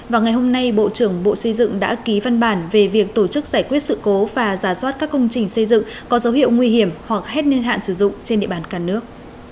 vào ngày hôm nay bộ trưởng bộ xây dựng đã ký văn bản về việc tổ chức giải quyết sự cố và giả soát các công trình xây dựng có dấu hiệu nguy hiểm hoặc hết niên hạn sử dụng trên địa bàn cả nước